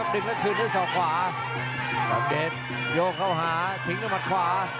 ถึงต้นหัวมากขวา